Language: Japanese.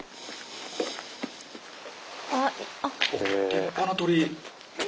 立派な鳥居。